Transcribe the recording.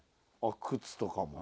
靴とかも。